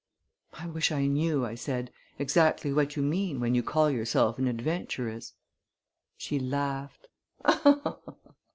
"I wish I knew," I said, "exactly what you mean when you call yourself an adventuress." She laughed.